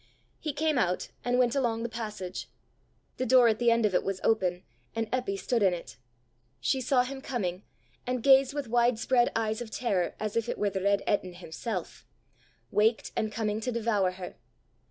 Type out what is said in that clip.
He came out, and went along the passage. The door at the end of it was open, and Eppy stood in it. She saw him coming, and gazed with widespread eyes of terror, as if it were The Reid Etin himself waked, and coming to devour her.